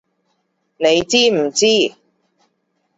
你知唔知！